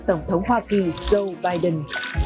tổng thống hoa kỳ joe biden